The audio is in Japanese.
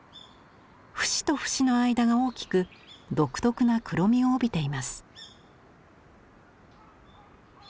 節と節の間が大きく独特な黒みを帯びています。